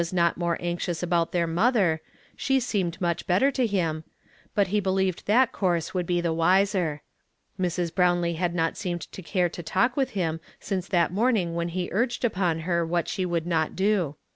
not more anxious about their mother, she seemed nnich better to him ; but he believed that course would be the wiser. Mrs. lirownlce had not seemed to care to talk with him since that morn ing when he urged upon her what she would not do.